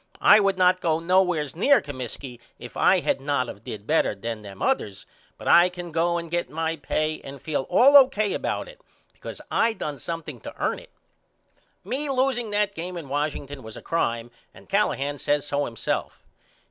I would not go nowheres near Comiskey if I had not of did better than them others but I can go and get my pay and feel all O.K. about it because I done something to ern it. Me loseing that game in Washington was a crime and Callahan says so himself.